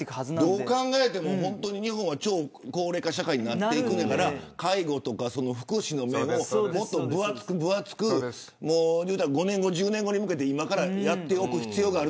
どう考えても日本は超高齢化社会になっていくんだから介護とか福祉の目をもっと分厚く５年後、１０年後に向けて今からやっておく必要があると。